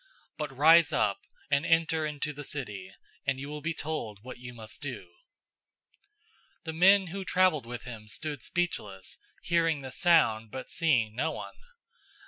"} 009:006 But{TR omits "But" } rise up, and enter into the city, and you will be told what you must do." 009:007 The men who traveled with him stood speechless, hearing the sound, but seeing no one.